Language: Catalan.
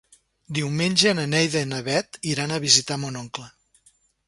Diumenge na Neida i na Bet iran a visitar mon oncle.